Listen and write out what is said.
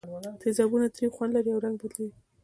تیزابونه تریو خوند لري او رنګ بدلوي.